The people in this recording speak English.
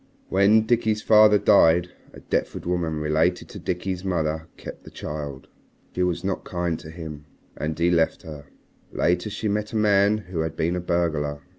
"When Dickie's father died, a Deptford woman related to Dickie's mother kept the child. She was not kind to him. And he left her. Later she met a man who had been a burglar.